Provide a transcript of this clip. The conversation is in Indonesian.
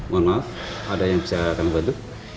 mohon maaf ada yang bisa kami bantu